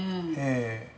ええ。